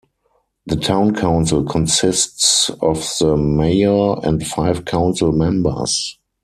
The town council consists of the mayor and five council members.